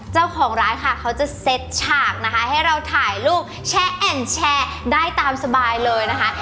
เจ้าของร้านค่ะเขาจะเซ็ตฉากนะคะให้เราถ่ายรูปแชร์แอ่นแชร์ได้ตามสบายเลยนะคะ